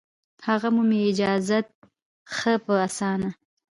هغه مومي اجازت ښه په اسانه